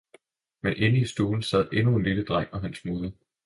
Men inde i stuen sad endnu en lille dreng og hans moder.